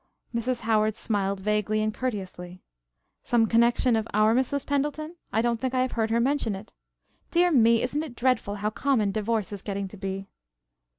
Mrs. Howard smiled vaguely and courteously. "Some connection of our Mrs. Pendleton? I don't think I have heard her mention it. Dear me, isn't it dreadful how common divorce is getting to be!"